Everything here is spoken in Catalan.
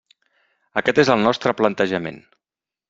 Aquest és el nostre plantejament.